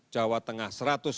jawa tengah satu ratus satu